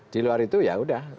di luar itu ya udah